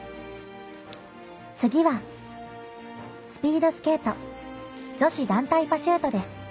次は、スピードスケート女子団体パシュートです。